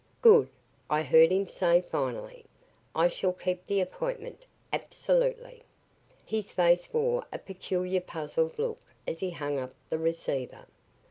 "Good!" I heard him say finally. "I shall keep the appointment absolutely." His face wore a peculiar puzzled look as he hung up the receiver.